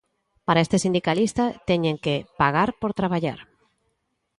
Para este sindicalista teñen que "pagar por traballar".